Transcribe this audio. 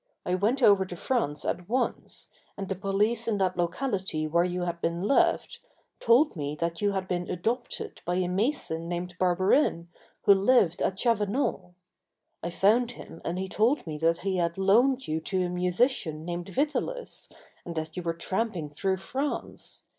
I went over to France at once and the police in that locality where you had been left, told me that you had been adopted by a mason named Barberin who lived at Chavanon. I found him and he told me that he had loaned you to a musician named Vitalis and that you were tramping through France.